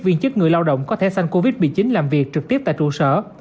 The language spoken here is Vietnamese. viên chức người lao động có thẻ xanh covid một mươi chín làm việc trực tiếp tại trụ sở